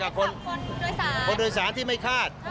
ให้ปรับคนโดยสารคนโดยสารที่ไม่ฆาต